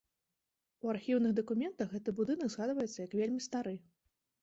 У архіўных дакументах гэты будынак згадваецца як вельмі стары.